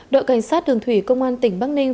đội cảnh sát đường thủy công an tỉnh bắc ninh